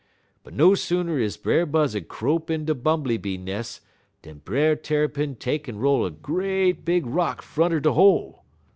But no sooner is Brer Buzzud crope in de bumbly bee nes' dan Brer Tarrypin take'n roll a great big rock front er de hole.